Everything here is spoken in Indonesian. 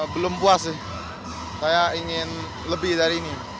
belum puas sih saya ingin lebih dari ini